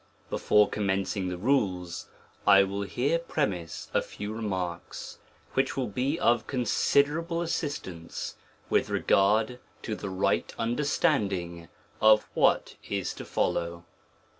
Before commencing the rules, I will here premise a few remarks, which will bo of considerable assistance with regard to the rigliv understanding of what is to follow.